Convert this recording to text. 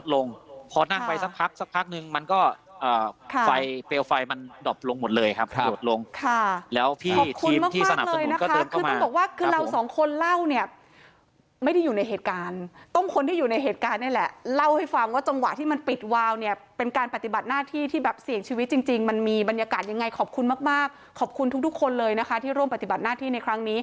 ลงหมดเลยครับหยดลงค่ะแล้วพี่ทีมที่สนับสนุนก็เติมเข้ามาคือต้องบอกว่าคือเราสองคนเล่าเนี้ยไม่ได้อยู่ในเหตุการณ์ต้องคนที่อยู่ในเหตุการณ์นี่แหละเล่าให้ฟังว่าจังหวะที่มันปิดวาวเนี้ยเป็นการปฏิบัติหน้าที่ที่แบบเสียงชีวิตจริงจริงมันมีบรรยากาศยังไงขอบคุณมากมากขอบคุณทุกทุกคน